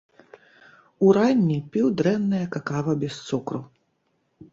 Уранні піў дрэннае какава без цукру.